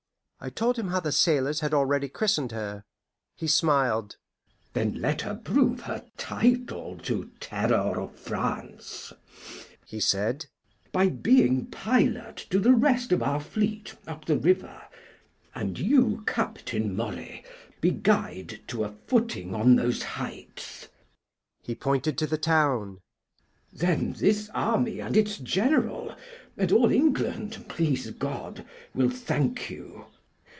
I told him how the sailors had already christened her. He smiled. "Then let her prove her title to Terror of France," he said, "by being pilot to the rest of our fleet, up the river, and you, Captain Moray, be guide to a footing on those heights" he pointed to the town. "Then this army and its General, and all England, please God, will thank you.